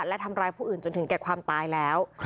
และทำร้ายผู้อื่นจนถึงแก่ความตายแล้ว